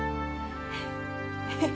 フフフ。